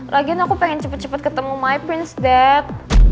lagian aku pengen cepet cepet ketemu my prince that